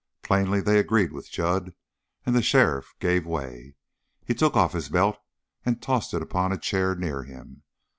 Plainly they agreed with Jud, and the sheriff gave way. He took off his belt and tossed it upon a chair near him.